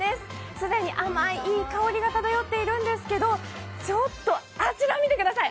既に甘い、いい香りが漂っているんですけれども、あちら見てください。